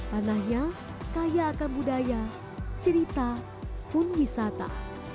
tanahnya kaya akan budaya cerita pun wisata